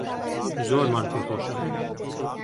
زۆرمان پێخۆشە